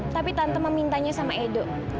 tapi tante memintanya sama edo